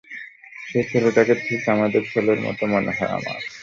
সেই ছেলেটাকে ঠিক আমাদের ছেলের মতো মনে হয় আমার।